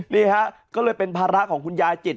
นี่ฮะก็เลยเป็นภาระของคุณยายจิต